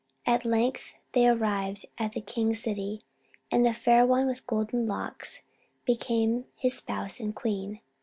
At length they arrived at the king's city, and the Fair One with Golden Locks became his spouse and queen.